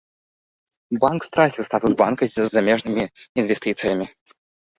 Банк страціў статус банка з замежнымі інвестыцыямі.